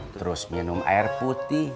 terus minum air putih